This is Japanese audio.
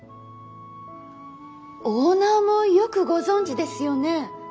オーナーもよくご存じですよね。